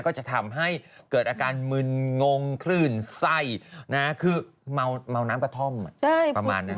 ก็จะทำให้เกิดอาการมึนงงคลื่นไส้คือเมาน้ำกระท่อมประมาณนั้น